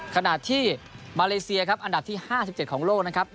ขนาดที่มาเลเซียอันดับที่๕๗ของโลก